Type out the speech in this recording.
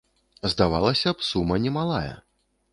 Здавалася б, сума немалая.